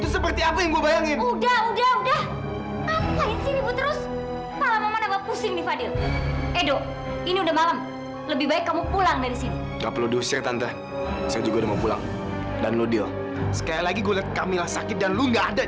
sampai jumpa di video selanjutnya